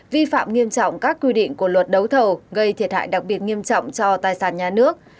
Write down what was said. vi phạm nghiêm trọng các quy định của luật đấu thầu gây thiệt hại đặc biệt nghiêm trọng cho tài sản nhà nước